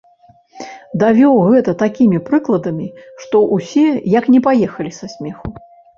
Давёў гэта такімі прыкладамі, што ўсе як не паехалі са смеху.